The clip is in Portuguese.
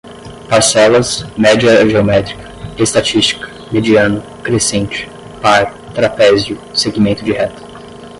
parcelas, média geométrica, estatística, mediana, crescente, par, trapézio, segmento de reta